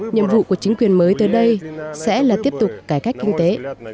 nhiệm vụ của chính quyền mới tới đây sẽ là tiếp tục cải cách kinh tế